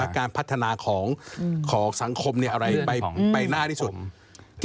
การพัฒนาของสังคมอะไรไปหน้าที่สุด